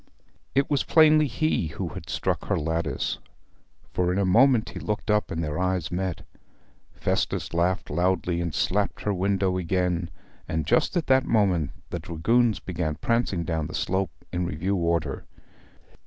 It was plainly he who had struck her lattice, for in a moment he looked up, and their eyes met. Festus laughed loudly, and slapped her window again; and just at that moment the dragoons began prancing down the slope in review order.